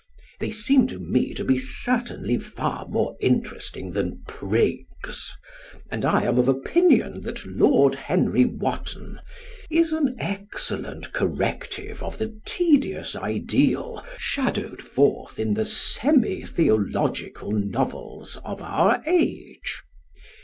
They seem to me to be certainly far more interesting than prigs; and I am of opinion that Lord Henry Wotton is an excellent corrective of the tedious ideal shadowed forth in the semi theological novels of our age.